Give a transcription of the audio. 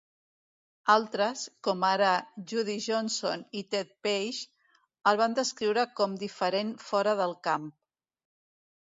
Altres, com ara Judy Johnson i Ted Page, el van descriure com diferent fora del camp.